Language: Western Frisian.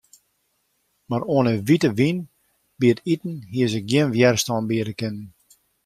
Mar oan 'e wite wyn by it iten hie se gjin wjerstân biede kinnen.